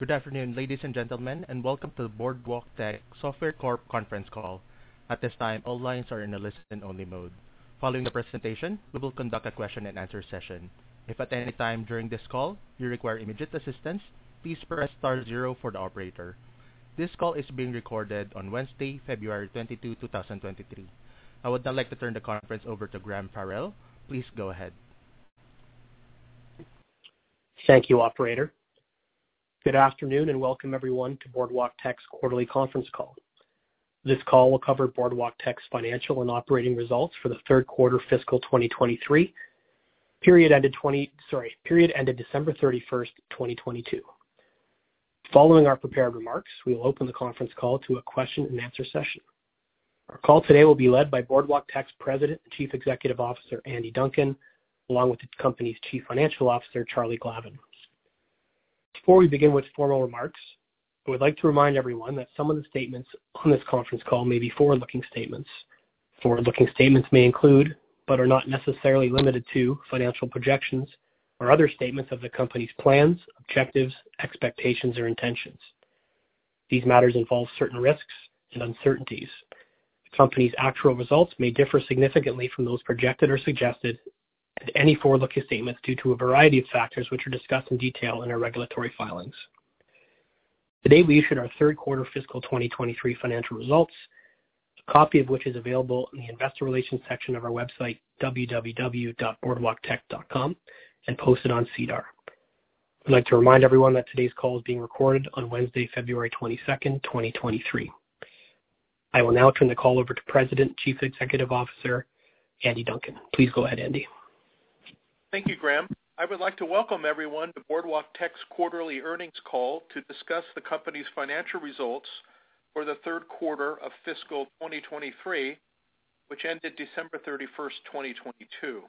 Good afternoon, ladies and gentlemen, welcome to the Boardwalktech Software Corp conference call. At this time, all lines are in a listen-only mode. Following the presentation, we will conduct a question-and-answer session. If at any time during this call you require immediate assistance, please press star zero for the operator. This call is being recorded on Wednesday, February 22, 2023. I would now like to turn the conference over to Graham Farrell. Please go ahead. Thank you, operator. Good afternoon, and welcome everyone to Boardwalktech's quarterly conference call. This call will cover Boardwalktech's financial and operating results for the third quarter fiscal 2023 period ended December 31, 2022. Following our prepared remarks, we will open the conference call to a question-and-answer session. Our call today will be led by Boardwalktech's President and Chief Executive Officer, Andy Duncan, along with the company's Chief Financial Officer, Charlie Glavin. Before we begin with formal remarks, I would like to remind everyone that some of the statements on this conference call may be forward-looking statements. Forward-looking statements may include, but are not necessarily limited to financial projections or other statements of the company's plans, objectives, expectations, or intentions. These matters involve certain risks and uncertainties. The company's actual results may differ significantly from those projected or suggested, and any forward-looking statements due to a variety of factors, which are discussed in detail in our regulatory filings. Today, we issued our third quarter fiscal 2023 financial results, a copy of which is available in the investor relations section of our website, www.boardwalktech.com, and posted on SEDAR. I'd like to remind everyone that today's call is being recorded on Wednesday, February 22nd, 2023. I will now turn the call over to President, Chief Executive Officer, Andy Duncan. Please go ahead, Andy. Thank you. Graham. I would like to welcome everyone to Boardwalktech's quarterly earnings call to discuss the company's financial results for the third quarter of fiscal 2023, which ended December 31st, 2022.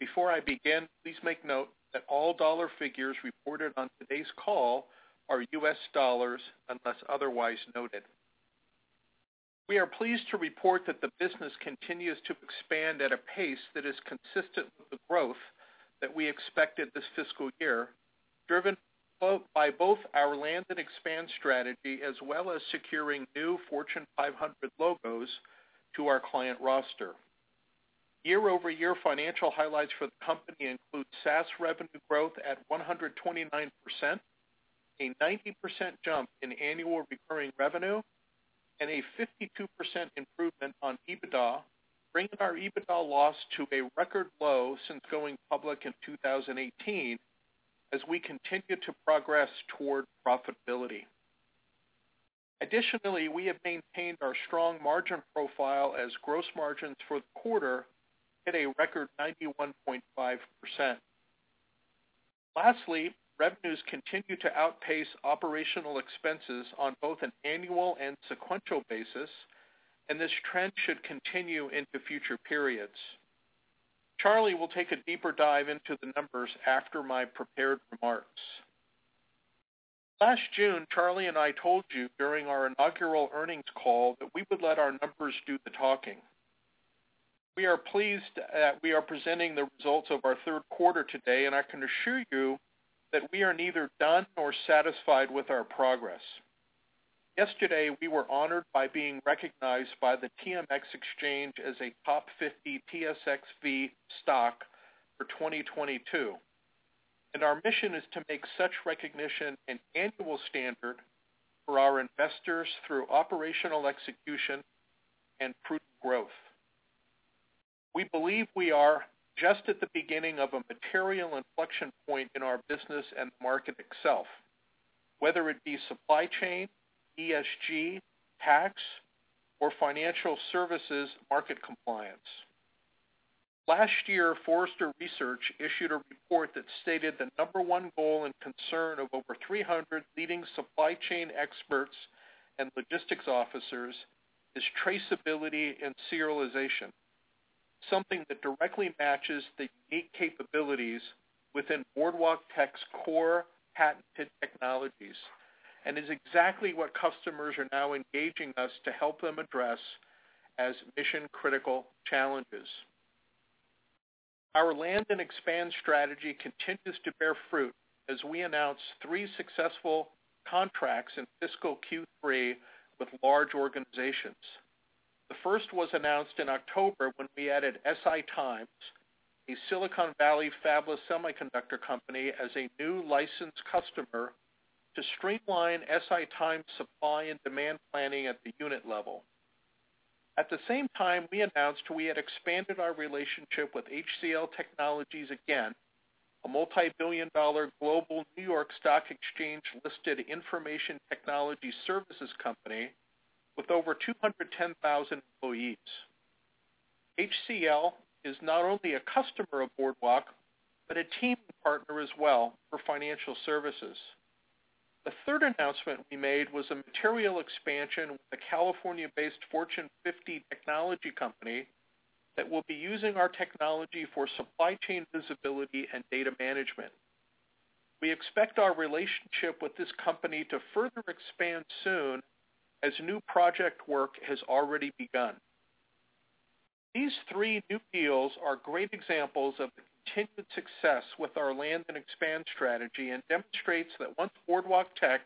Before I begin, please make note that all dollar figures reported on today's call are US dollars, unless otherwise noted. We are pleased to report that the business continues to expand at a pace that is consistent with the growth that we expected this fiscal year, driven by both our land and expand strategy, as well as securing new Fortune 500 logos to our client roster. Year-over-year financial highlights for the company include SaaS revenue growth at 129%, a 90% jump in annual recurring revenue, and a 52% improvement on EBITDA, bringing our EBITDA loss to a record low since going public in 2018, as we continue to progress toward profitability. We have maintained our strong margin profile as gross margins for the quarter hit a record 91.5%. Revenues continue to outpace operational expenses on both an annual and sequential basis, and this trend should continue into future periods. Charlie will take a deeper dive into the numbers after my prepared remarks. Last June, Charlie and I told you during our inaugural earnings call that we would let our numbers do the talking. We are pleased that we are presenting the results of our third quarter today, and I can assure you that we are neither done or satisfied with our progress. Yesterday, we were honored by being recognized by the TMX Exchange as a top 50 TSXV stock for 2022, and our mission is to make such recognition an annual standard for our investors through operational execution and prudent growth. We believe we are just at the beginning of a material inflection point in our business and market itself, whether it be supply chain, ESG, tax, or financial services market compliance. Last year, Forrester Research issued a report that stated the number one goal and concern of over 300 leading supply chain experts and logistics officers is traceability and serialization, something that directly matches the unique capabilities within Boardwalktech's core patented technologies and is exactly what customers are now engaging us to help them address as mission-critical challenges. Our land and expand strategy continues to bear fruit as we announce three successful contracts in fiscal Q3 with large organizations. The first was announced in October when we added SiTime, a Silicon Valley, fabless semiconductor company, as a new licensed customer to streamline SiTime supply and demand planning at the unit level. At the same time, we announced we had expanded our relationship with HCL Technologies again, a multi-billion dollar global New York Stock Exchange-listed information technology services company with over 210,000 employees. HCL is not only a customer of Boardwalk, but a team partner as well for financial services. The third announcement we made was a material expansion with a California-based Fortune 50 technology company that will be using our technology for supply chain visibility and data management. We expect our relationship with this company to further expand soon as new project work has already begun. These three new deals are great examples of the continued success with our land and expand strategy, and demonstrates that once Boardwalktech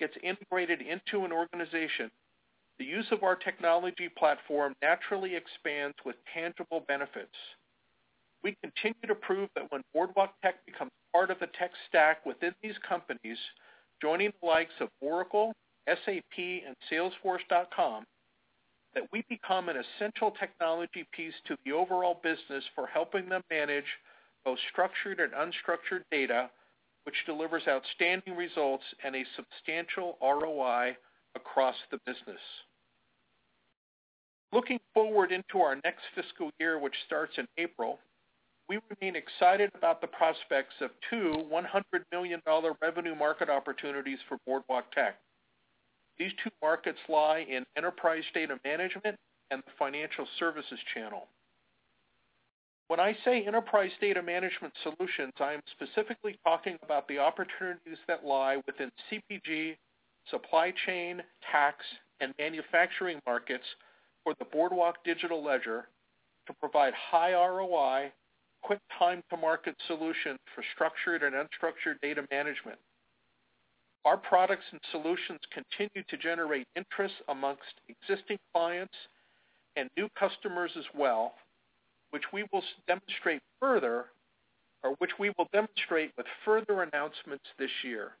gets integrated into an organization, the use of our technology platform naturally expands with tangible benefits. We continue to prove that when Boardwalktech becomes part of the tech stack within these companies, joining the likes of Oracle, SAP, and salesforce.com, that we become an essential technology piece to the overall business for helping them manage both structured and unstructured data, which delivers outstanding results and a substantial ROI across the business. Looking forward into our next fiscal year, which starts in April, we remain excited about the prospects of two $100 million revenue market opportunities for Boardwalktech. These two markets lie in enterprise data management and the financial services channel. When I say enterprise data management solutions, I am specifically talking about the opportunities that lie within CPG, supply chain, tax, and manufacturing markets for the Boardwalk Digital Ledger to provide high ROI, quick time to market solution for structured and unstructured data management. Our products and solutions continue to generate interest amongst existing clients and new customers as well, which we will demonstrate with further announcements this year.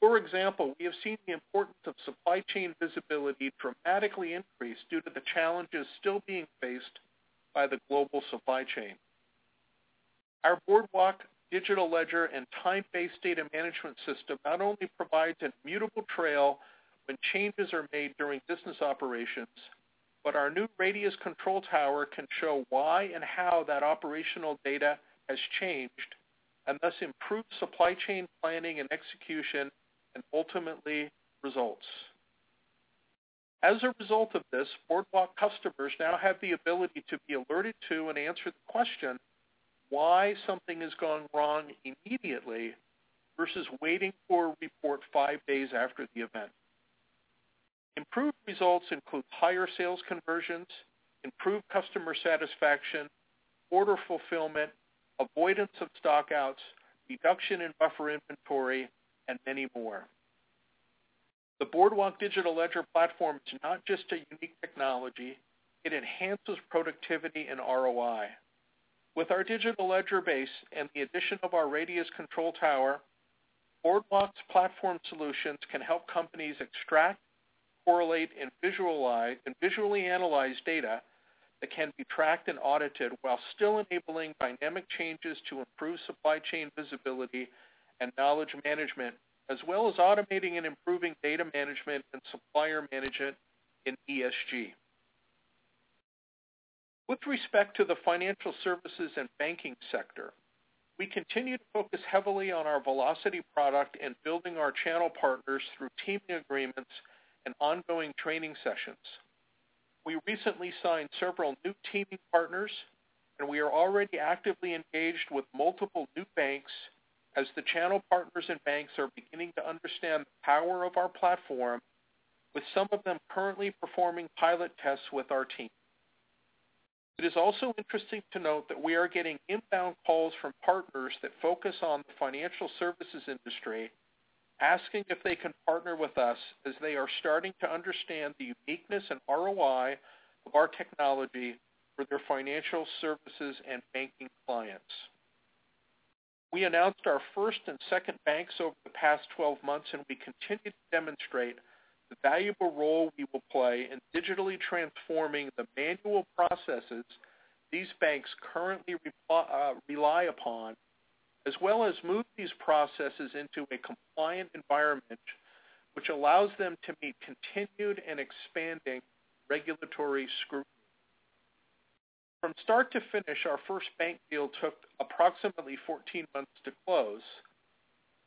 For example, we have seen the importance of supply chain visibility dramatically increase due to the challenges still being faced by the global supply chain. Our Boardwalk Digital Ledger and time-based data management system not only provides an immutable trail when changes are made during business operations, but our new Radius Control Tower can show why and how that operational data has changed, and thus improve supply chain planning and execution, and ultimately results. As a result of this, Boardwalk customers now have the ability to be alerted to and answer the question why something has gone wrong immediately, versus waiting for a report five days after the event. Improved results include higher sales conversions, improved customer satisfaction, order fulfillment, avoidance of stock outs, reduction in buffer inventory, and many more. The Boardwalk Digital Ledger Platform is not just a unique technology, it enhances productivity and ROI. With our digital ledger base and the addition of our Radius Control Tower, Boardwalk's platform solutions can help companies extract, correlate, and visualize and visually analyze data that can be tracked and audited while still enabling dynamic changes to improve supply chain visibility and knowledge management, as well as automating and improving data management and supplier management in ESG. With respect to the financial services and banking sector, we continue to focus heavily on our velocity product and building our channel partners through teaming agreements and ongoing training sessions. We recently signed several new teaming partners, and we are already actively engaged with multiple new banks as the channel partners and banks are beginning to understand the power of our platform, with some of them currently performing pilot tests with our team. It is also interesting to note that we are getting inbound calls from partners that focus on the financial services industry, asking if they can partner with us as they are starting to understand the uniqueness and ROI of our technology for their financial services and banking clients. We announced our first and second banks over the past 12 months, and we continue to demonstrate the valuable role we will play in digitally transforming the manual processes these banks currently rely upon, as well as move these processes into a compliant environment which allows them to be continued and expanding regulatory scrutiny. From start to finish, our first bank deal took approximately 14 months to close,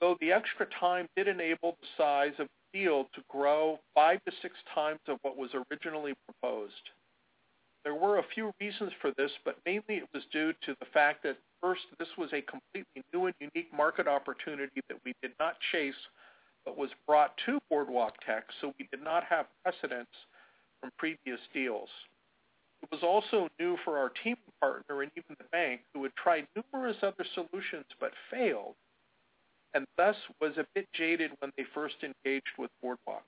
though the extra time did enable the size of the deal to grow 5-6x of what was originally proposed. There were a few reasons for this, but mainly it was due to the fact that first, this was a completely new and unique market opportunity that we did not chase, but was brought to Boardwalktech, so we did not have precedents from previous deals. It was also new for our team partner and even the bank, who had tried numerous other solutions but failed, and thus was a bit jaded when they first engaged with Boardwalktech.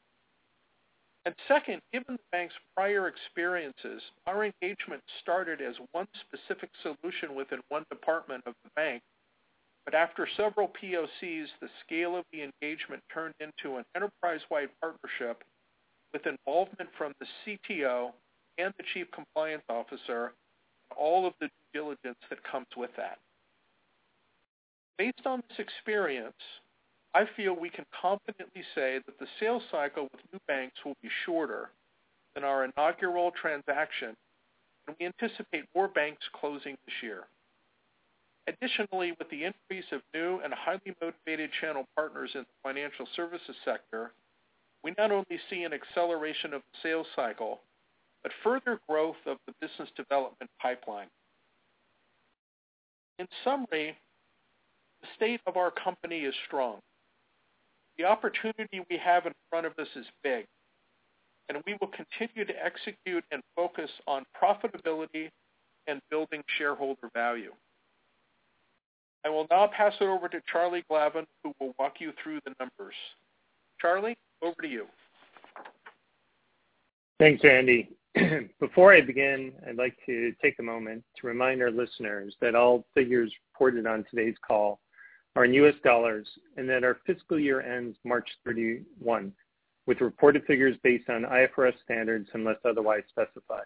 Second, given the bank's prior experiences, our engagement started as one specific solution within department of the bank. After several POCs, the scale of the engagement turned into an enterprise-wide partnership with involvement from the CTO and the chief compliance officer, and all of the due diligence that comes with that. Based on this experience, I feel we can confidently say that the sales cycle with new banks will be shorter than our inaugural transaction, and we anticipate more banks closing this year. Additionally, with the increase of new and highly motivated channel partners in the financial services sector, we not only see an acceleration of the sales cycle, but further growth of the business development pipeline. In summary, the state of our company is strong. The opportunity we have in front of us is big, and we will continue to execute and focus on profitability and building shareholder value. I will now pass it over to Charlie Glavin, who will walk you through the numbers. Charlie, over to you. Thanks, Andy. Before I begin, I'd like to take a moment to remind our listeners that all figures reported on today's call are in US dollars and that our fiscal year ends March 31, with reported figures based on IFRS standards unless otherwise specified.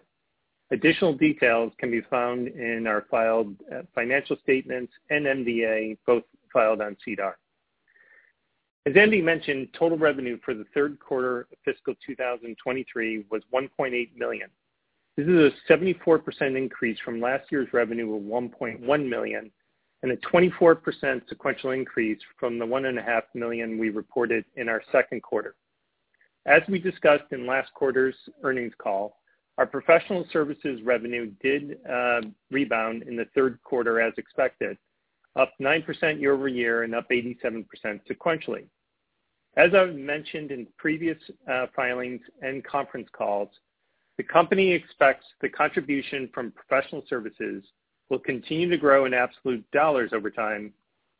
Additional details can be found in our filed financial statements and MDA, both filed on SEDAR. As Andy mentioned, total revenue for the third quarter of fiscal 2023 was $1.8 million. This is a 74% increase from last year's revenue of $1.1 million, and a 24% sequential increase from the $1.5 million we reported in our second quarter. As we discussed in last quarter's earnings call, our professional services revenue did rebound in the third quarter as expected, up 9% year-over-year and up 87% sequentially. As I've mentioned in previous filings and conference calls, the company expects the contribution from professional services will continue to grow in absolute dollars over time,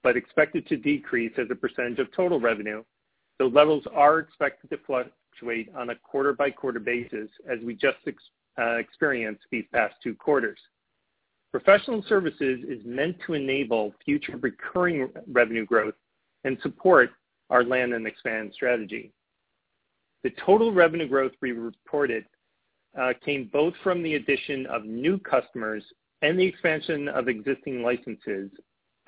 but expected to decrease as a percentage of total revenue. Levels are expected to fluctuate on a quarter-by-quarter basis as we just experienced these past two quarters. Professional services is meant to enable future recurring revenue growth and support our land and expand strategy. The total revenue growth we reported came both from the addition of new customers and the expansion of existing licenses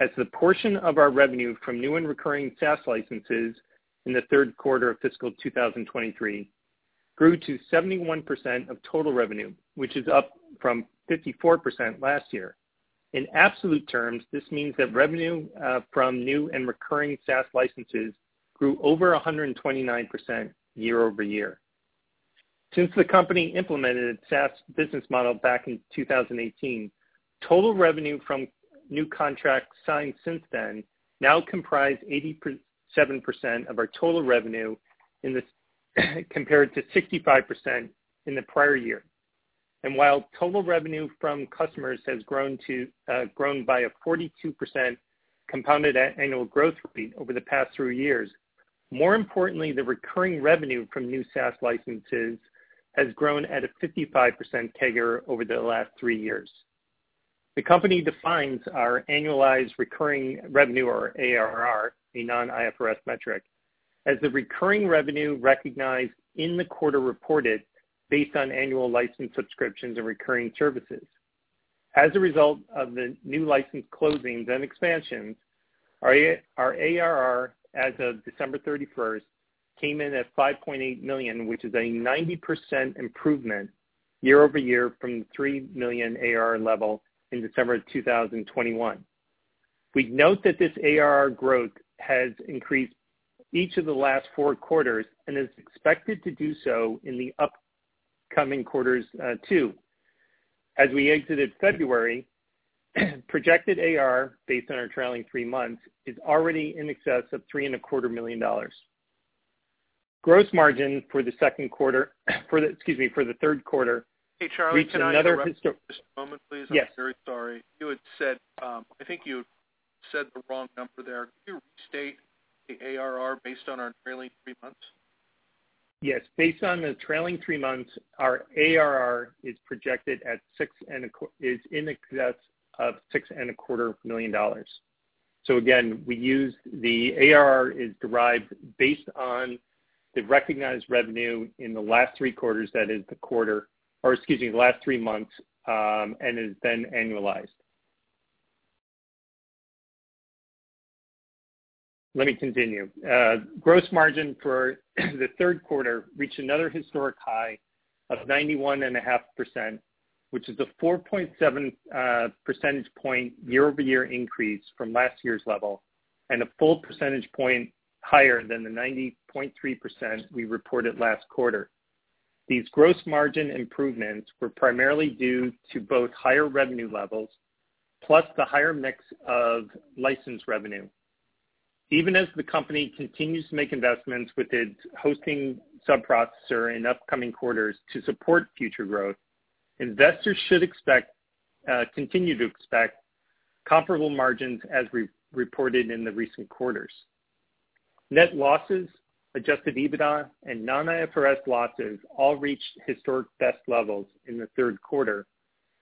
as the portion of our revenue from new and recurring SaaS licenses in the third quarter of fiscal 2023 grew to 71% of total revenue, which is up from 54% last year. In absolute terms, this means that revenue from new and recurring SaaS licenses grew over 129% year-over-year. Since the company implemented its SaaS business model back in 2018, total revenue from new contracts signed since then now comprise 87% of our total revenue compared to 65% in the prior year. While total revenue from customers has grown by a 42% compounded annual growth rate over the past three years, more importantly, the recurring revenue from new SaaS licenses has grown at a 55% CAGR over the last three years. The company defines our annualized recurring revenue or ARR, a non-IFRS metric, as the recurring revenue recognized in the quarter reported based on annual license subscriptions and recurring services. As a result of the new license closings and expansions, our ARR as of December 31st came in at $5.8 million, which is a 90% improvement year-over-year from the $3 million ARR level in December of 2021. We'd note that this ARR growth has increased each of the last four quarter, and is expected to do so in the upcoming quarters, too. As we exited February, projected ARR based on our trailing three months is already in excess of three and a quarter million dollars. Gross margin for the second quarter, for the third quarter. Hey, Charlie, can I interrupt for just a moment, please? Yes. I'm very sorry. You had said, I think you said the wrong number there. Can you restate the ARR based on our trailing three months? Yes. Based on the trailing three months, our ARR is projected at six and a quarter million dollars. Again, we use the ARR is derived based on the recognized revenue in the last three quarters, that is the quarter or, excuse me, the last three months, and is then annualized. Let me continue. Gross margin for the third quarter reached another historic high of 91.5%, which is a 4.7 percentage point year-over-year increase from last year's level and a full percentage point higher than the 90.3% we reported last quarter. These gross margin improvements were primarily due to both higher revenue levels plus the higher mix of license revenue. Even as the company continues to make investments with its hosting sub-processor in upcoming quarters to support future growth, investors should expect, continue to expect comparable margins as re-reported in the recent quarters. Net losses, adjusted EBITDA and non-IFRS losses all reached historic best levels in the third quarter,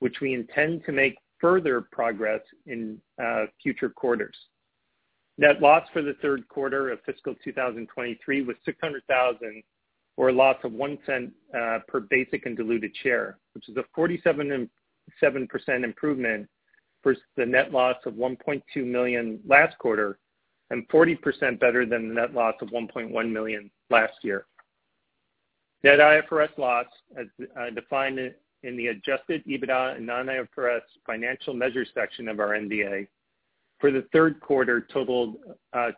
which we intend to make further progress in future quarters. Net loss for the third quarter of fiscal 2023 was $600,000 or a loss of $0.01 per basic and diluted share, which is a 47.7% improvement versus the net loss of $1.2 million last quarter and 40% better than the net loss of $1.1 million last year. Net IFRS loss as defined in the adjusted EBITDA and non-IFRS financial measure section of our MD&A for the third quarter totaled a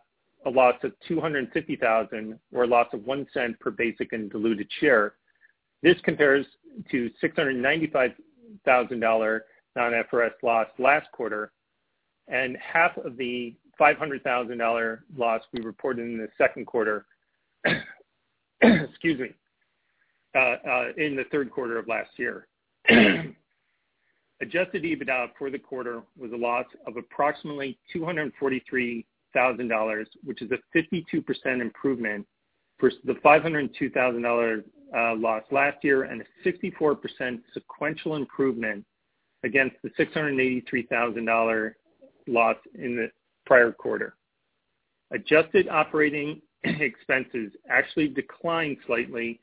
loss of $250,000 or a loss of $0.01 per basic and diluted share. This compares to $695,000 non-IFRS loss last quarter and half of the $500,000 loss we reported in the second quarter, in the third quarter of last year. Adjusted EBITDA for the quarter was a loss of approximately $243,000, which is a 52% improvement versus the $502,000 loss last year and a 64% sequential improvement against the $683,000 loss in the prior quarter. Adjusted operating expenses actually declined slightly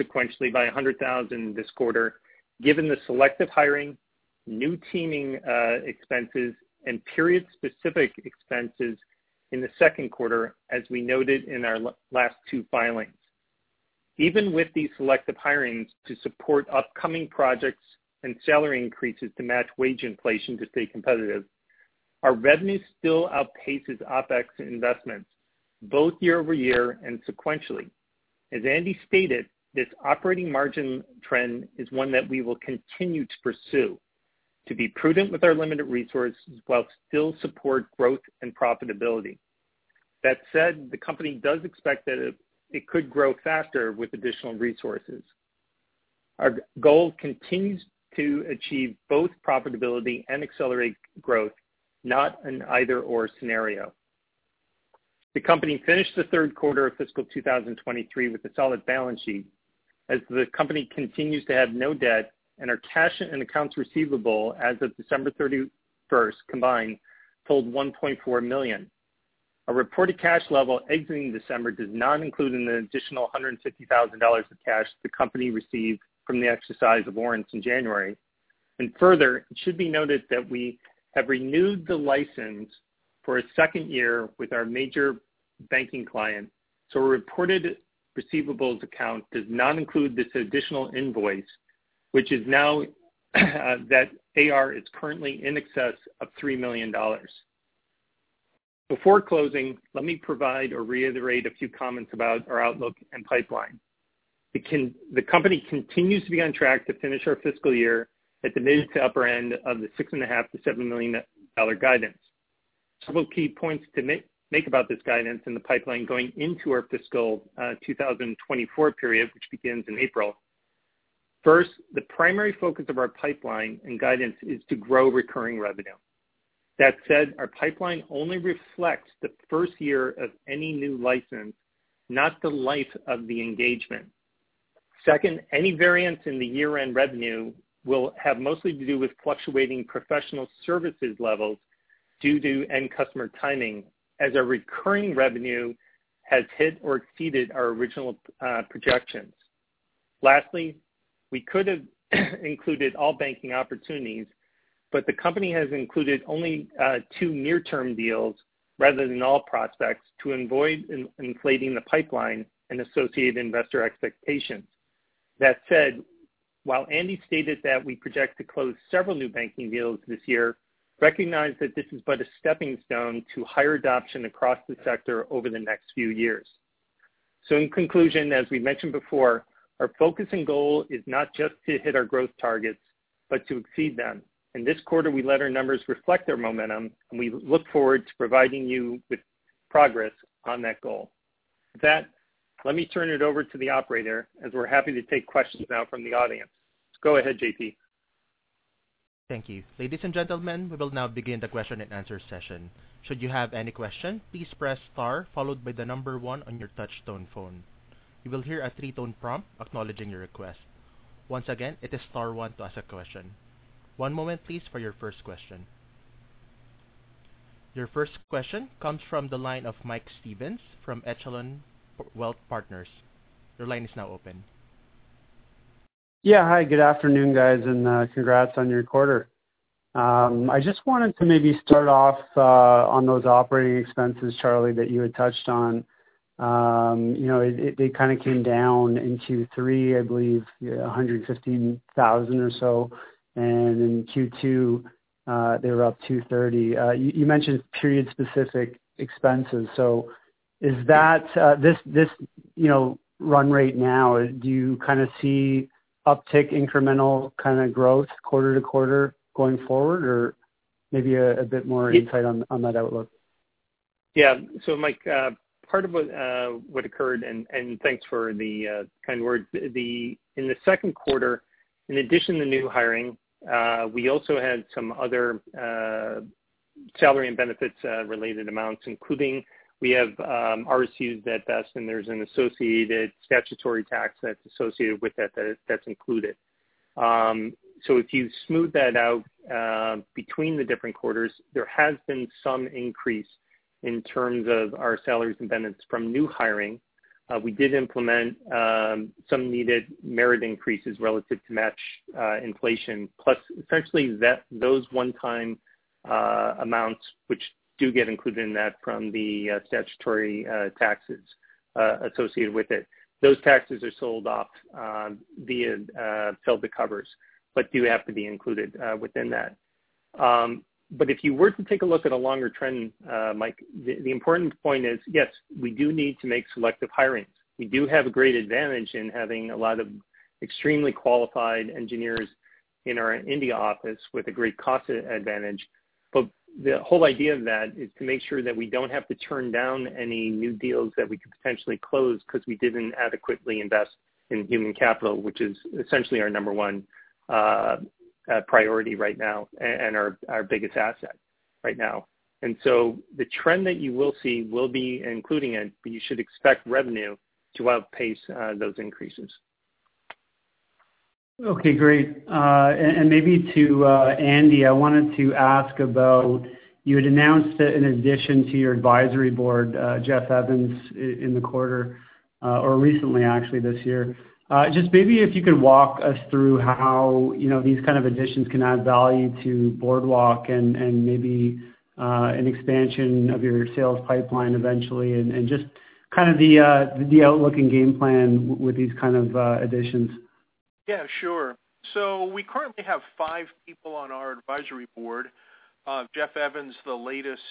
sequentially by $100,000 this quarter, given the selective hiring, new teaming, expenses and period-specific expenses in the second quarter, as we noted in our last wo filings. Even with these selective hirings to support upcoming projects and salary increases to match wage inflation to stay competitive, our revenue still outpaces OpEx investments both year-over-year and sequentially. As Andy stated, this operating margin trend is one that we will continue to pursue to be prudent with our limited resources while still support growth and profitability. That said, the company does expect that it could grow faster with additional resources. Our goal continues to achieve both profitability and accelerate growth, not an either/or scenario. The company finished the third quarter of fiscal 2023 with a solid balance sheet as the company continues to have no debt and our cash and accounts receivable as of December 31st combined totaled $1.4 million. Our reported cash level exiting December does not include an additional $150,000 of cash the company received from the exercise of warrants in January. Further, it should be noted that we have renewed the license for a second year with our major banking client. A reported receivables account does not include this additional invoice, which is now, that AR is currently in excess of $3 million. Before closing, let me provide or reiterate a few comments about our outlook and pipeline. The company continues to be on track to finish our fiscal year at the mid to upper end of the $6.5 million-$7 million guidance. Several key points to make about this guidance and the pipeline going into our fiscal 2024 period, which begins in April. First, the primary focus of our pipeline and guidance is to grow recurring revenue. That said, our pipeline only reflects the first year of any new license, not the life of the engagement. Second, any variance in the year-end revenue will have mostly to do with fluctuating professional services levels due to end customer timing as our recurring revenue has hit or exceeded our original projections. Lastly, we could have included all banking opportunities, but the company has included only two near-term deals rather than all prospects to avoid inflating the pipeline and associated investor expectations. That said, while Andy stated that we project to close several new banking deals this year, recognize that this is but a stepping stone to higher adoption across the sector over the next few years. In conclusion, as we mentioned before, our focus and goal is not just to hit our growth targets but to exceed them. In this quarter, we let our numbers reflect their momentum, and we look forward to providing you with progress on that goal. With that, let me turn it over to the operator as we're happy to take questions now from the audience. Go ahead, JP. Thank you. Ladies and gentlemen, we will now begin the question and answer session. Should you have any question, please press star followed by one on your touch tone phone. You will hear a three-tone prompt acknowledging your request. Once again, it is star one to ask a question. One moment please for your first question. Your first question comes from the line of Mike Stevens from Echelon Wealth Partners. Your line is now open. Hi, good afternoon, guys, and congrats on your quarter. I just wanted to maybe start off on those operating expenses, Charlie, that you had touched on. You know, they kind of came down in Q3, I believe, yeah, $115,000 or so, and in Q2, they were up $230,000. You mentioned period-specific expenses. Is that, this, you know, run rate now, do you kind of see uptick incremental kind of growth quarter to quarter going forward? Or maybe a bit more insight on that outlook. Mike, part of what occurred and thanks for the kind words. In the second quarter, in addition to new hiring, we also had some other salary and benefits related amounts, including we have RSUs that vest, and there's an associated statutory tax that's associated with that's included. If you smooth that out between the different quarters, there has been some increase in terms of our salaries and benefits from new hiring. We did implement some needed merit increases relative to match inflation, plus essentially that those one-time amounts which do get included in that from the statutory taxes associated with it. Those taxes are sold off, via fill the coffers, but do have to be included within that. If you were to take a look at a longer trend, Mike, the important point is, yes, we do need to make selective hirings. We do have a great advantage in having a lot of extremely qualified engineers in our India office with a great cost advantage. The whole idea of that is to make sure that we don't have to turn down any new deals that we could potentially close because we didn't adequately invest in human capital, which is essentially our number one priority right now and our biggest asset right now. The trend that you will see will be including it, but you should expect revenue to outpace those increases. Okay, great. Maybe to Andy, I wanted to ask about you had announced an addition to your advisory board, Jeff Evans in the quarter, or recently actually this year. Just maybe if you could walk us through how you know these kind of additions can add value to Boardwalk, and maybe an expansion of your sales pipeline eventually and just kind of the outlook and game plan with these kind of additions? Yeah, sure. We currently have five people on our advisory board. Jeff Evans, the latest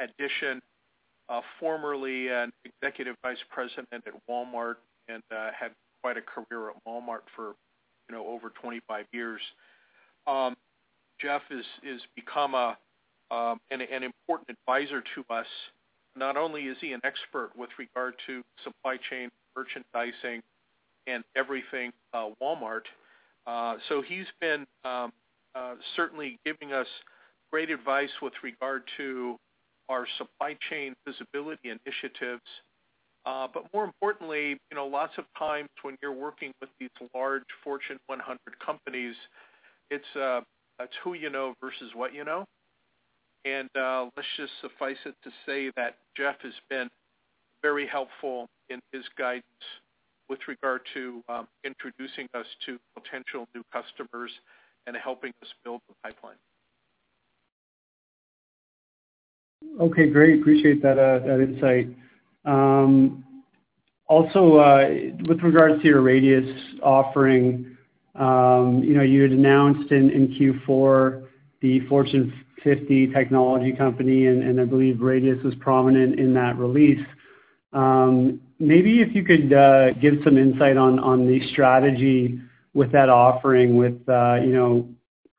addition, formerly an Executive Vice President at Walmart and had quite a career at Walmart for, you know, over 25 years. Jeff has become an important advisor to us. Not only is he an expert with regard to supply chain merchandising and everything, Walmart, so he's been certainly giving us great advice with regard to our supply chain visibility initiatives. More importantly, you know, lots of times when you're working with these large Fortune 100 companies, it's who you know versus what you know. Let's just suffice it to say that Jeff has been very helpful in his guidance with regard to introducing us to potential new customers and helping us build the pipeline. Okay, great. Appreciate that insight. Also, with regards to your Radius offering, you know, you had announced in Q4 the Fortune 50 technology company, and I believe Radius was prominent in that release. Maybe if you could give some insight on the strategy with that offering with, you know,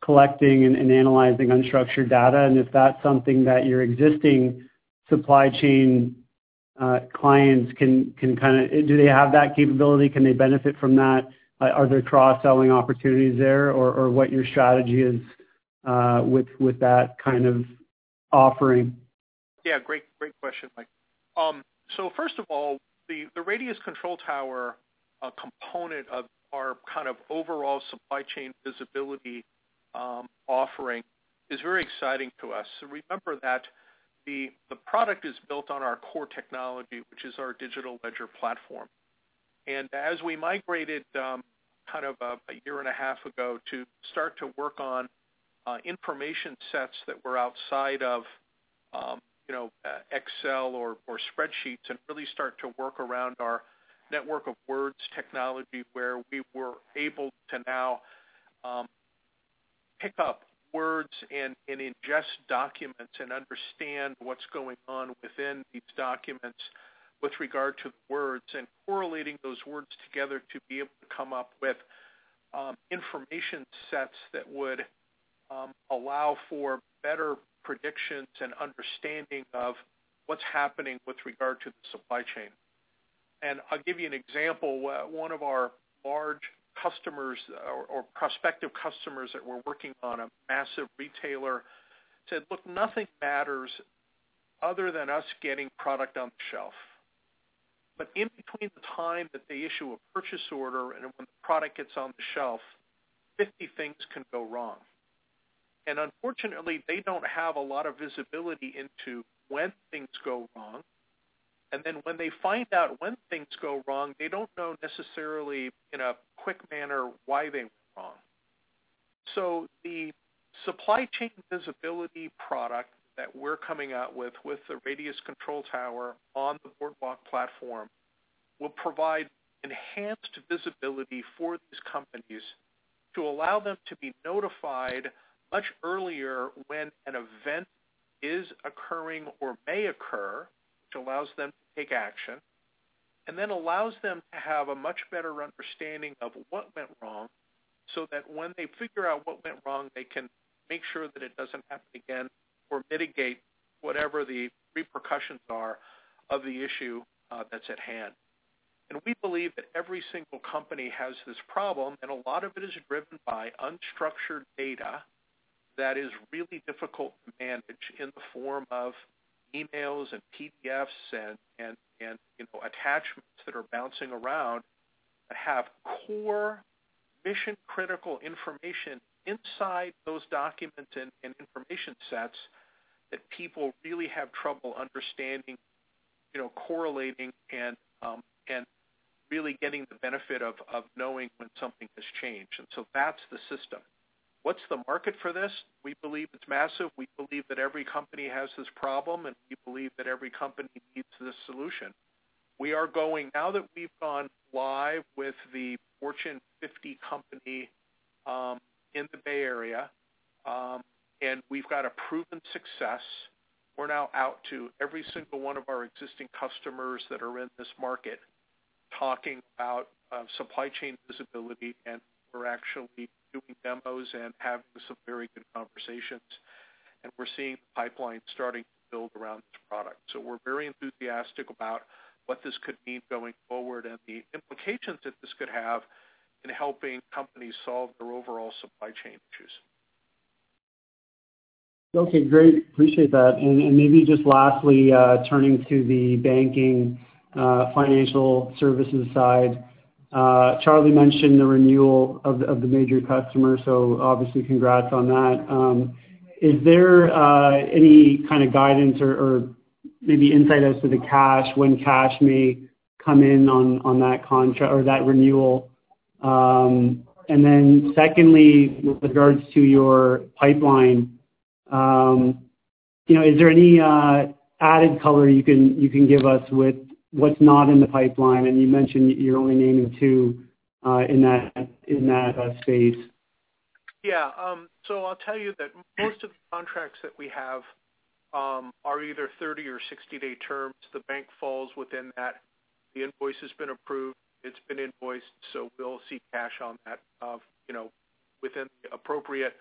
collecting and analyzing unstructured data, and if that's something that your existing supply chain clients. Do they have that capability? Can they benefit from that? Are there cross-selling opportunities there or what your strategy is with that kind of offering? Yeah, great question, Mike. first of all, the Radius Control Tower, a component of our kind of overall supply chain visibility, offering is very exciting to us. remember that the product is built on our core technology, which is our digital ledger platform. As we migrated, kind of, a year and a half ago to start to work on information sets that were outside of, you know, Excel or spreadsheets and really start to work around our network of nodes technology, where we were able to now pick up words and ingest documents and understand what's going on within these documents with regard to the words and correlating those words together to be able to come up with information sets that would allow for better predictions and understanding of what's happening with regard to the supply chain. I'll give you an example. One of our large customers or prospective customers that we're working on, a massive retailer, said, "Look, nothing matters other than us getting product on the shelf." In between the time that they issue a purchase order and when the product gets on the shelf, 50 things can go wrong. Unfortunately, they don't have a lot of visibility into when things go wrong. When they find out when things go wrong, they don't know necessarily in a quick manner why they went wrong. The supply chain visibility product that we're coming out with the Radius Control Tower on the Boardwalk platform, will provide enhanced visibility for these companies to allow them to be notified much earlier when an event is occurring or may occur, which allows them to take action, and then allows them to have a much better understanding of what went wrong so that when they figure out what went wrong, they can make sure that it doesn't happen again or mitigate whatever the repercussions are of the issue that's at hand. We believe that every single company has this problem, and a lot of it is driven by unstructured data that is really difficult to manage in the form of emails and PDFs and, you know, attachments that are bouncing around that have core mission-critical information inside those documents and information sets that people really have trouble understanding, you know, correlating and really getting the benefit of knowing when something has changed. That's the system. What's the market for this? We believe it's massive. We believe that every company has this problem. We believe that every company needs this solution. Now that we've gone live with the Fortune 50 company in the Bay Area, and we've got a proven success, we're now out to every single one of our existing customers that are in this market talking about supply chain visibility, and we're actually doing demos and having some very good conversations. We're seeing the pipeline starting to build around this product. We're very enthusiastic about what this could mean going forward and the implications that this could have in helping companies solve their overall supply chain issues. Okay, great. Appreciate that. Maybe just lastly, turning to the banking, financial services side. Charlie mentioned the renewal of the major customer, so obviously congrats on that. Is there any kind of guidance or maybe insight as to the cash when cash may come in on that contra or that renewal? Then secondly, with regards to your pipeline, you know, is there any added color you can give us with what's not in the pipeline? You mentioned you're only naming two, in that space. I'll tell you that most of the contracts that we have are either 30 or 60-day terms. The bank falls within that. The invoice has been approved. It's been invoiced, we'll see cash on that, you know, within the appropriate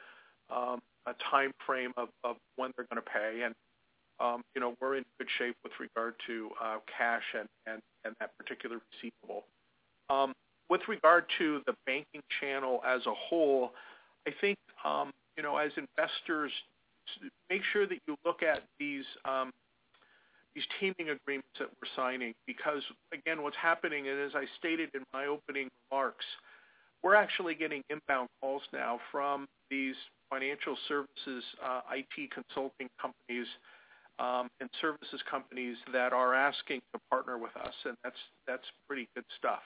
timeframe of when they're gonna pay. You know, we're in good shape with regard to cash and that particular receivable. With regard to the banking channel as a whole, I think, you know, as investors, make sure that you look at these teaming agreements that we're signing, because again, what's happening, and as I stated in my opening remarks, we're actually getting inbound calls now from these financial services IT consulting companies and services companies that are asking to partner with us, and that's pretty good stuff.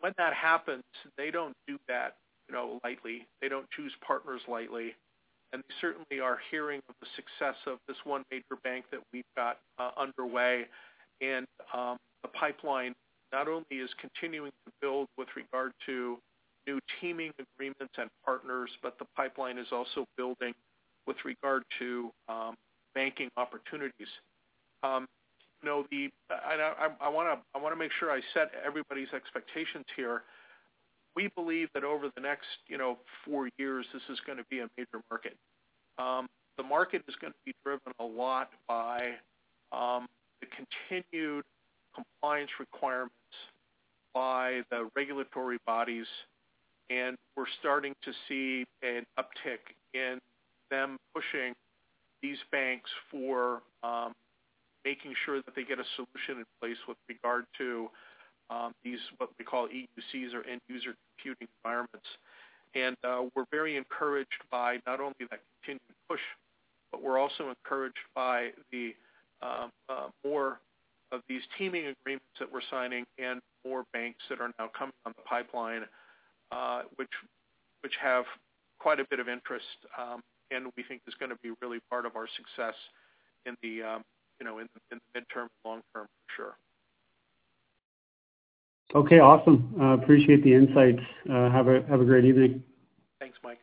When that happens, they don't do that, you know, lightly. They don't choose partners lightly. They certainly are hearing of the success of this one major bank that we've got underway. The pipeline not only is continuing to build with regard to new teaming agreements and partners, but the pipeline is also building with regard to banking opportunities. You know, and I wanna make sure I set everybody's expectations here. We believe that over the next, you know, four years, this is gonna be a major market. The market is gonna be driven a lot by the continued compliance requirements by the regulatory bodies, and we're starting to see an uptick in them pushing these banks for making sure that they get a solution in place with regard to these, what we call EUCs or End-User Computing environments. We're very encouraged by not only that continued push, but we're also encouraged by the more of these teaming agreements that we're signing and more banks that are now coming on the pipeline, which have quite a bit of interest, and we think is gonna be really part of our success in the, you know, in the, in the midterm and long term, for sure. Okay, awesome. Appreciate the insights. Have a great evening. Thanks, Mike.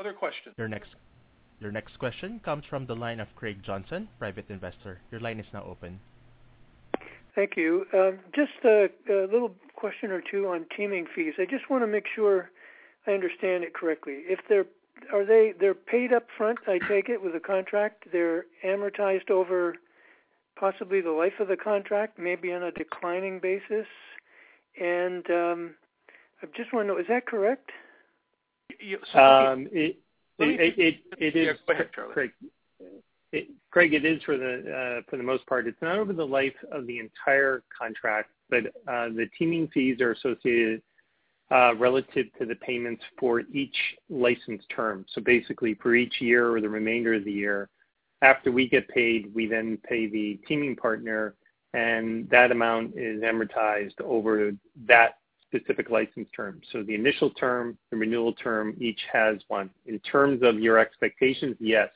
Other questions? Your next question comes from the line of Craig Johnson, Private Investor. Your line is now open. Thank you. Just a little question or two on teaming fees. I just wanna make sure I understand it correctly. They're paid up front, I take it, with a contract. They're amortized over possibly the life of the contract, maybe on a declining basis. I just wanna know, is that correct? Yeah. It is- Yes. Go ahead, Charlie. Craig, it is for the most part. It's not over the life of the entire contract, but the teaming fees are associated relative to the payments for each license term. Basically, for each year or the remainder of the year after we get paid, we then pay the teaming partner, and that amount is amortized over that specific license term. The initial term, the renewal term, each has one. In terms of your expectations, yes,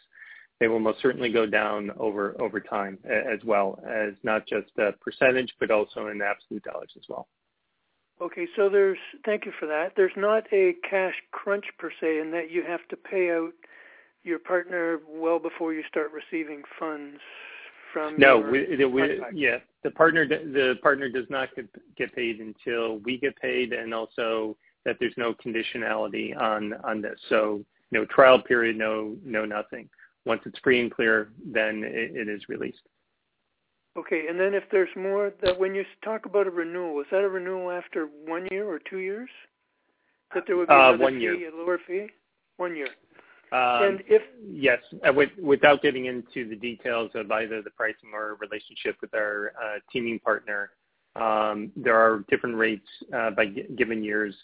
they will most certainly go down over time as well as not just the percentage, but also in absolute dollars as well. Okay. Thank you for that. There's not a cash crunch per se in that you have to pay out your partner well before you start receiving funds from. No. We. Yeah. The partner does not get paid until we get paid, and also that there's no conditionality on this. No trial period, no nothing. Once it's free and clear, then it is released. Okay. If there's more, then when you talk about a renewal, is that a renewal after one year or two years? One year.... a lower fee? One year. Um- And if- Yes. Without getting into the details of either the price or our relationship with our teaming partner, there are different rates by given years.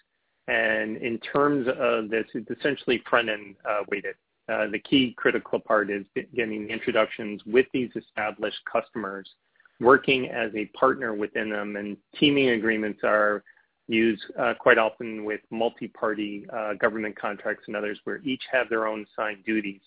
In terms of this, it's essentially front-end, weighted. The key critical part is getting introductions with these established customersWorking as a partner within them and teaming agreements are used quite often with multi-party government contracts and others where each have their own assigned duties.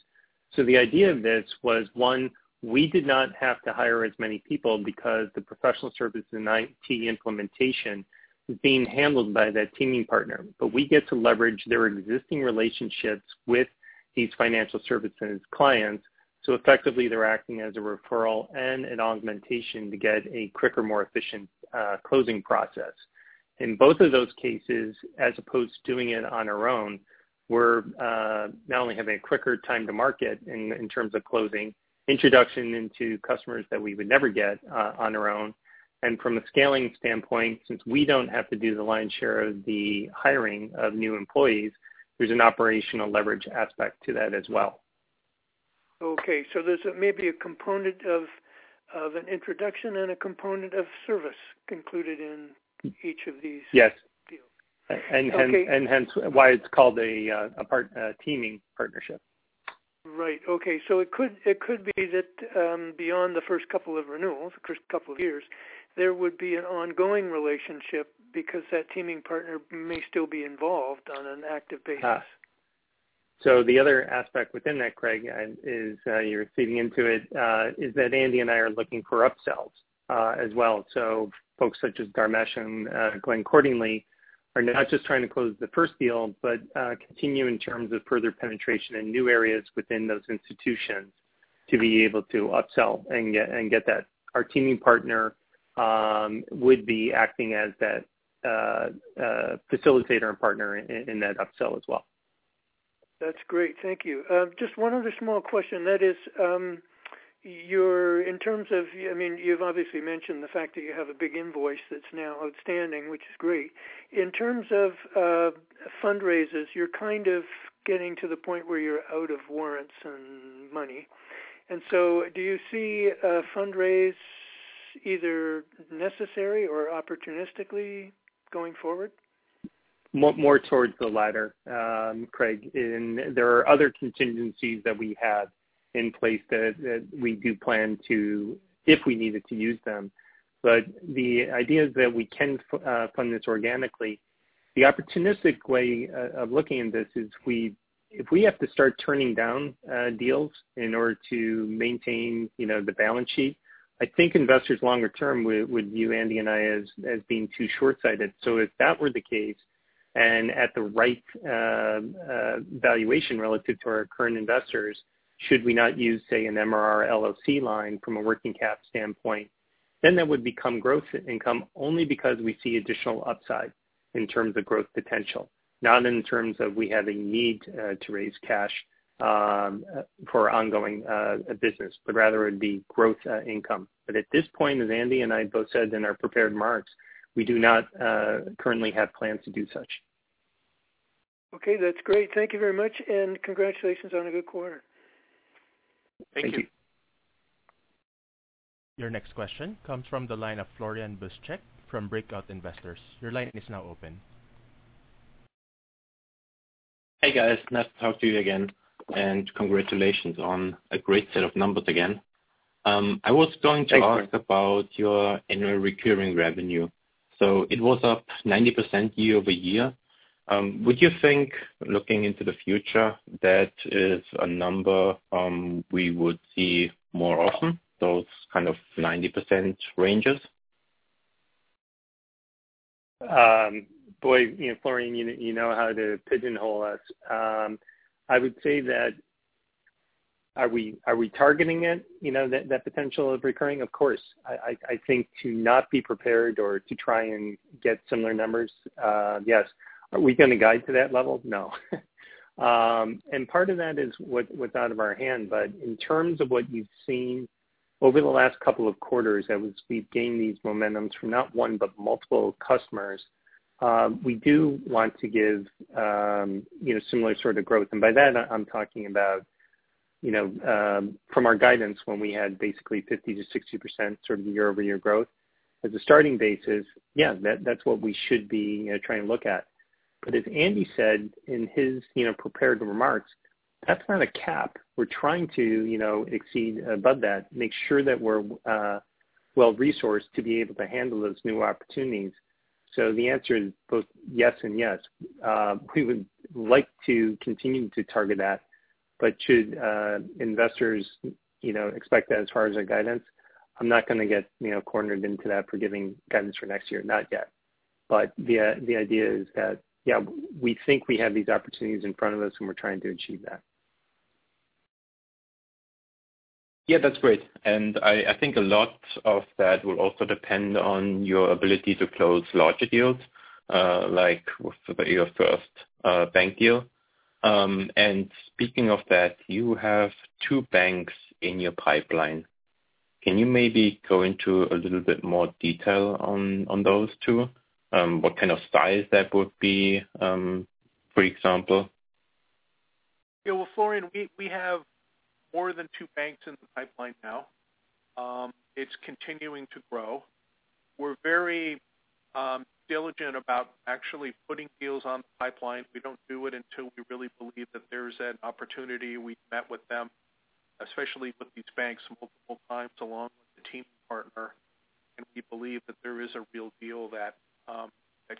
The idea of this was, one, we did not have to hire as many people because the professional service and IT implementation was being handled by that teaming partner. We get to leverage their existing relationships with these financial services clients. Effectively they're acting as a referral and an augmentation to get a quicker, more efficient closing process. In both of those cases, as opposed to doing it on our own, we're not only having a quicker time to market in terms of closing, introduction into customers that we would never get on our own. From a scaling standpoint, since we don't have to do the lion's share of the hiring of new employees, there's an operational leverage aspect to that as well. Okay. There's maybe a component of an introduction and a component of service concluded in each of these. Yes. Deals. Okay. Hence why it's called a teaming partnership. Right. Okay. It could be that, beyond the first couple of renewals, the first couple of years, there would be an ongoing relationship because that teaming partner may still be involved on an active basis. Yeah. The other aspect within that, Craig, and is, you're feeding into it, is that Andy and I are looking for upsells as well. Folks such as Dharmesh and Glenn Cordingley are not just trying to close the first deal, but continue in terms of further penetration in new areas within those institutions to be able to upsell and get that. Our teaming partner would be acting as that facilitator and partner in that upsell as well. That's great. Thank you. Just one other small question. That is, In terms of, I mean, you've obviously mentioned the fact that you have a big invoice that's now outstanding, which is great. In terms of, fundraisers, you're kind of getting to the point where you're out of warrants and money. Do you see a fundraise either necessary or opportunistically going forward? More towards the latter, Craig. There are other contingencies that we have in place that we do plan to, if we needed to use them. The idea is that we can fund this organically. The opportunistic way of looking at this is if we have to start turning down deals in order to maintain, you know, the balance sheet, I think investors longer term would view Andy and I as being too short-sighted. If that were the case, and at the right, valuation relative to our current investors, should we not use, say, an MRR LOC line from a working cap standpoint, then that would become growth income only because we see additional upside in terms of growth potential, not in terms of we have a need to raise cash for ongoing business, but rather it be growth income. At this point, as Andy and I both said in our prepared remarks, we do not currently have plans to do such. Okay, that's great. Thank you very much, and congratulations on a good quarter. Thank you. Your next question comes from the line of Florian Buschek from Breakout Investors. Your line is now open. Hey, guys. Nice to talk to you again, and congratulations on a great set of numbers again. I was going to ask- Thanks. About your annual recurring revenue. It was up 90% year-over-year. Would you think, looking into the future, that is a number, we would see more often, those kind of 90% ranges? Boy, you know, Florian, you know how to pigeonhole us. I would say that are we targeting it, you know, that potential of recurring? Of course. I think to not be prepared or to try and get similar numbers, yes. Are we gonna guide to that level? No. Part of that is with out of our hand. In terms of what you've seen over the last couple of quarters, that was we've gained these momentums from not one but multiple customers. We do want to give, you know, similar sort of growth. By that I'm talking about, you know, from our guidance when we had basically 50%-60% sort of year-over-year growth as a starting basis. Yeah, that's what we should be, you know, trying to look at. As Andy said in his, you know, prepared remarks, that's not a cap. We're trying to, you know, exceed above that, make sure that we're well-resourced to be able to handle those new opportunities. The answer is both yes and yes. We would like to continue to target that. Should investors, you know, expect that as far as our guidance, I'm not gonna get, you know, cornered into that for giving guidance for next year. Not yet. The idea is that, yeah, we think we have these opportunities in front of us, and we're trying to achieve that. Yeah, that's great. I think a lot of that will also depend on your ability to close larger deals, like with your first bank deal. Speaking of that, you have two banks in your pipeline. Can you maybe go into a little bit more detail on those two? What kind of size that would be, for example? Yeah. Well, Florian, we have more than two banks in the pipeline now. It's continuing to grow. We're very diligent about actually putting deals on the pipeline. We don't do it until we really believe that there's an opportunity. We've met with them, especially with these banks, multiple times along with the team partner, and we believe that there is a real deal that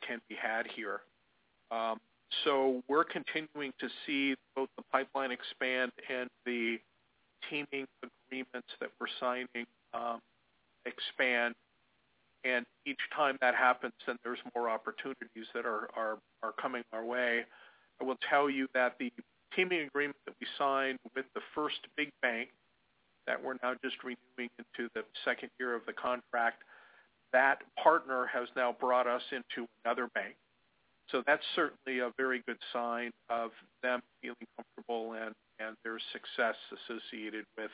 can be had here. We're continuing to see both the pipeline expand and the teaming agreements that we're signing expand. Each time that happens, then there's more opportunities that are coming our way. I will tell you that the teaming agreement that we signed with the first big bank that we're now just renewing into the second year of the contract, that partner has now brought us into another bank. That's certainly a very good sign of them feeling comfortable and their success associated with,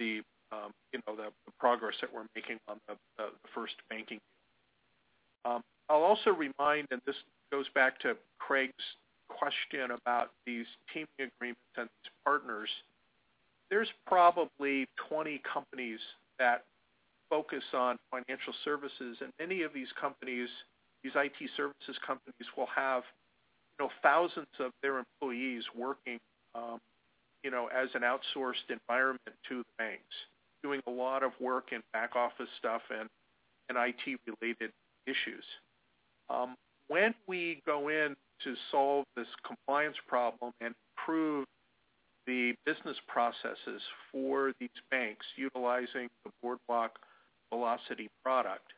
you know, the progress that we're making on the first banking. I'll also remind, and this goes back to Craig's question about these teaming agreements and partners. There's probably 20 companies that focus on financial services, and many of these companies, these IT services companies, will have, you know, thousands of their employees working, you know, as an outsourced environment to the banks, doing a lot of work in back-office stuff and IT-related issues. When we go in to solve this compliance problem and improve the business processes for these banks utilizing the Boardwalk Velocity product,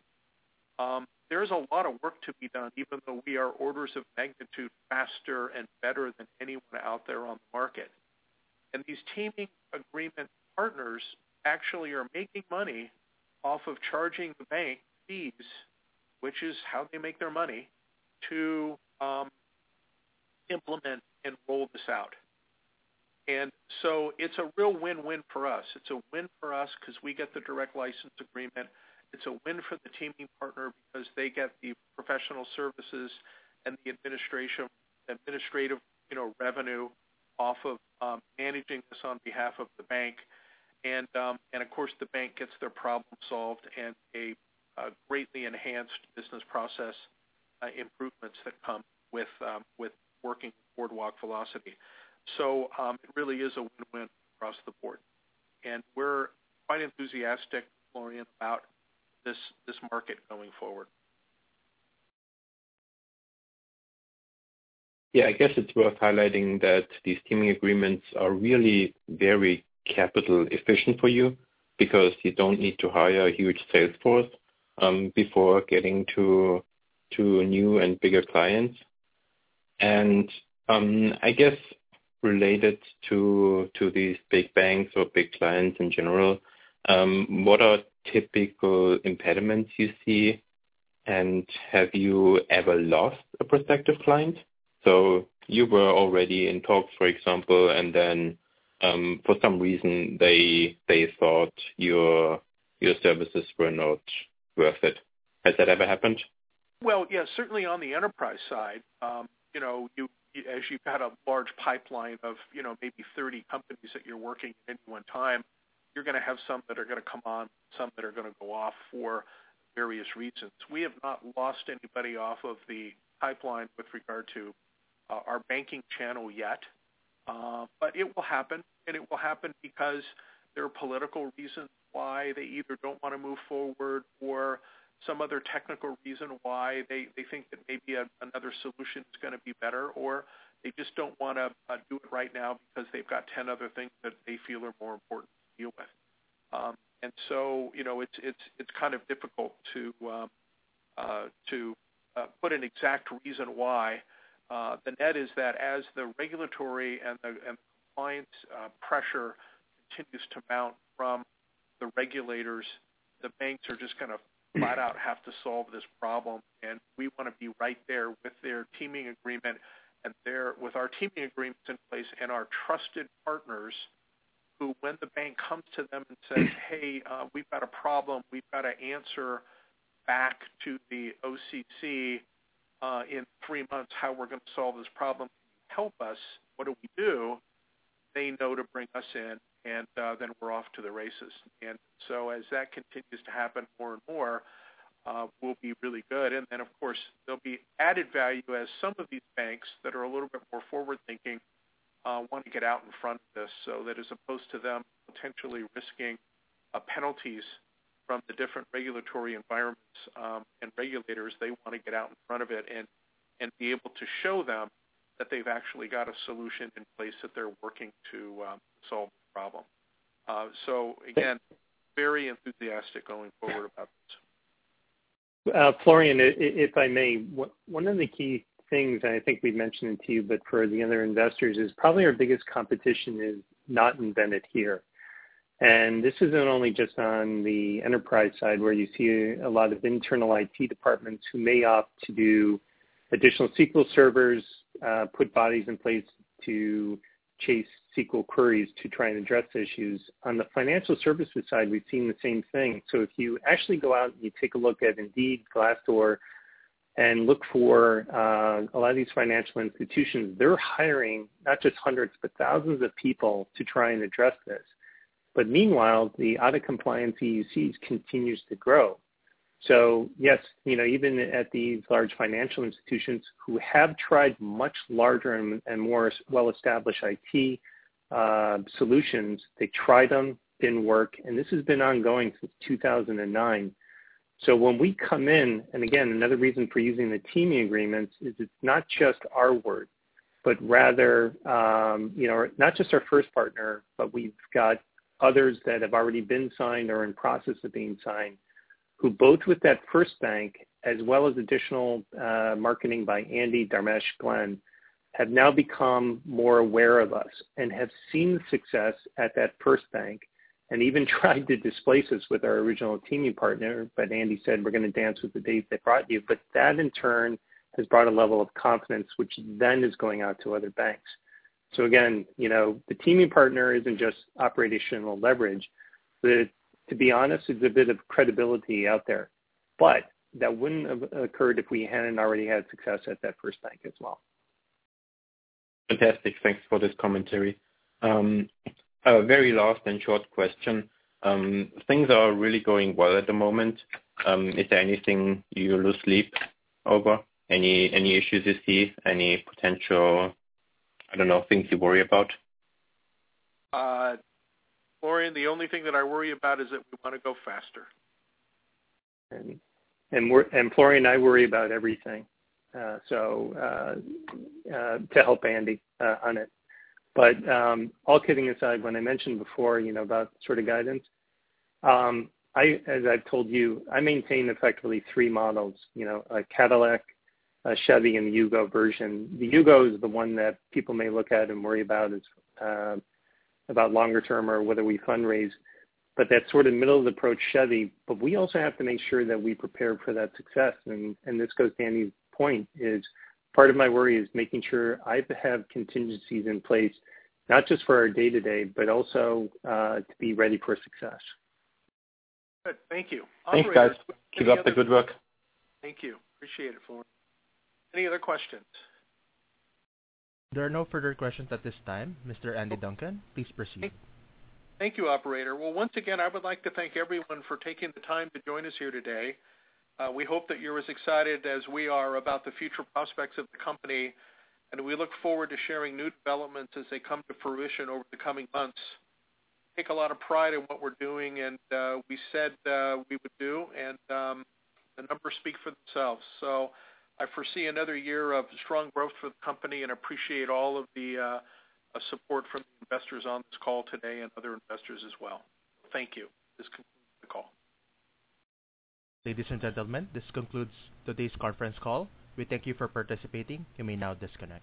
there is a lot of work to be done even though we are orders of magnitude faster and better than anyone out there on the market. These teaming agreement partners actually are making money off of charging the bank fees, which is how they make their money to implement and roll this out. It's a real win-win for us. It's a win for us because we get the direct license agreement. It's a win for the teaming partner because they get the professional services and the administrative, you know, revenue off of managing this on behalf of the bank. Of course, the bank gets their problem solved and a greatly enhanced business process improvements that come with working with Boardwalk Velocity. It really is a win-win across the board. We're quite enthusiastic, Florian, about this market going forward. Yeah. I guess it's worth highlighting that these teaming agreements are really very capital efficient for you because you don't need to hire a huge sales force before getting to new and bigger clients. I guess related to these big banks or big clients in general, what are typical impediments you see? Have you ever lost a prospective client? You were already in talks, for example, and then for some reason they thought your services were not worth it. Has that ever happened? Well, yes, certainly on the enterprise side, you know, as you've had a large pipeline of, you know, maybe 30 companies that you're working any one time, you're gonna have some that are gonna come on, some that are gonna go off for various reasons. We have not lost anybody off of the pipeline with regard to our banking channel yet. It will happen, and it will happen because there are political reasons why they either don't want to move forward or some other technical reason why they think that maybe another solution is gonna be better, or they just don't wanna do it right now because they've got 10 other things that they feel are more important to deal with. You know, it's kind of difficult to put an exact reason why. The net is that as the regulatory and the, and compliance, pressure continues to mount from the regulators, the banks are just gonna flat out have to solve this problem. We wanna be right there with their teaming agreement and there with our teaming agreements in place and our trusted partners who when the bank comes to them and says, "Hey, we've got a problem. We've got to answer back to the OCC, in three months how we're gonna solve this problem. Help us. What do we do?" They know to bring us in, then we're off to the races. As that continues to happen more and more, we'll be really good. Of course, there'll be added value as some of these banks that are a little bit more forward-thinking, want to get out in front of this. As opposed to them potentially risking penalties from the different regulatory environments, and regulators, they want to get out in front of it and be able to show them that they've actually got a solution in place that they're working to solve the problem. Again, very enthusiastic going forward about this. Florian, if I may, one of the key things I think we've mentioned to you, but for the other investors, is probably our biggest competition is not invented here. This isn't only just on the enterprise side where you see a lot of internal IT departments who may opt to do additional SQL servers, put bodies in place to chase SQL queries to try and address issues. On the financial services side, we've seen the same thing. If you actually go out and you take a look at Indeed, Glassdoor and look for a lot of these financial institutions, they're hiring not just hundreds but thousands of people to try and address this. Meanwhile, the out of compliance EUCs continues to grow. Yes, you know, even at these large financial institutions who have tried much larger and more well-established IT solutions, they tried them, didn't work, and this has been ongoing since 2009. When we come in. Again, another reason for using the teaming agreements is it's not just our word, but rather, you know, not just our first partner, but we've got others that have already been signed or in process of being signed, who both with that first bank, as well as additional marketing by Andy, Dharmesh, Glenn, have now become more aware of us and have seen success at that first bank and even tried to displace us with our original teaming partner. Andy said, we're gonna dance with the date that brought you. That in turn has brought a level of confidence, which then is going out to other banks. Again, you know, the teaming partner isn't just operational leverage. To be honest, it's a bit of credibility out there. That wouldn't have occurred if we hadn't already had success at that first bank as well. Fantastic. Thanks for this commentary. A very last and short question. Things are really going well at the moment. Is there anything you lose sleep over? Any issues you see? Any potential, I don't know, things you worry about? Florian, the only thing that I worry about is that we wanna go faster. Florian and I worry about everything, so to help Andy on it. All kidding aside, when I mentioned before, you know, about sort of guidance, as I've told you, I maintain effectively three models. You know, a Cadillac, a Chevy, and a Yugo version. The Yugo is the one that people may look at, and worry about is about longer term or whether we fundraise. That sort of middle of the road approach Chevy, but we also have to make sure that we prepare for that success. This goes to Andy's point, is part of my worry is making sure I have contingencies in place, not just for our day-to-day, but also to be ready for success. Good. Thank you. Thanks, guys. Keep up the good work. Thank you. Appreciate it, Florian. Any other questions? There are no further questions at this time. Mr. Andy Duncan, please proceed. Thank you, operator. Once again, I would like to thank everyone for taking the time to join us here today. We hope that you're as excited as we are about the future prospects of the company, and we look forward to sharing new developments as they come to fruition over the coming months. Take a lot of pride in what we're doing and we said we would do, and the numbers speak for themselves. I foresee another year of strong growth for the company, and appreciate all of the support from investors on this call today and other investors as well. Thank you. This concludes the call. Ladies and gentlemen, this concludes today's conference call. We thank you for participating. You may now disconnect.